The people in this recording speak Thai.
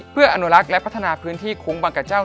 เพื่ออนุรักษ์และพัฒนาพื้นที่คุ้งบังกะเจ้า